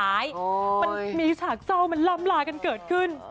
มันมีฉากเศร้ามันล้ำลากันเกิดขึ้น